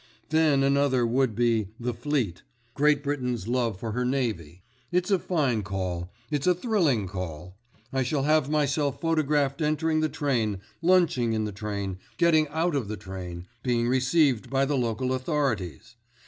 "Then another would be 'The Fleet'—Great Britain's Love for Her Navy.' It's a fine call, it's a thrilling call. I shall have myself photographed entering the train, lunching in the train, getting out of the train, being received by the local authorities.